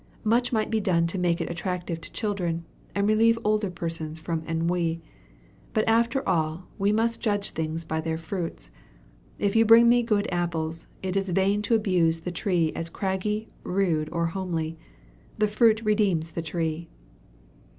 Much might be done to make it attractive to children, and relieve older persons from ennui. But after all, we must judge things by their fruits. If you bring me good apples, it is in vain to abuse the tree as craggy, rude, or homely. The fruit redeems the tree."